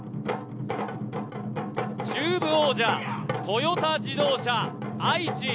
中部王者、トヨタ自動車・愛知。